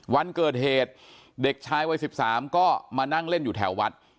วันเกิดเหตุเด็กชายวัย๑๓ก็มานั่งเล่นอยู่แถววัด